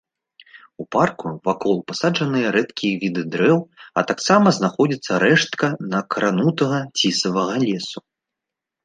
У парку вакол пасаджаны рэдкія віды дрэў а таксама знаходзіцца рэштка некранутага цісавага лесу.